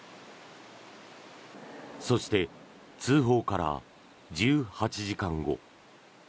そして、通報から１８時間後。